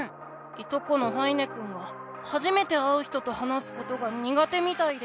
いとこの羽稲くんがはじめて会う人と話すことが苦手みたいで。